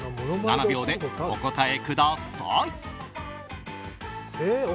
７秒でお答えください。